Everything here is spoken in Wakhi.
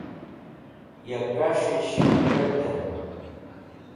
ya kas̃h'esh reg̃hd'ey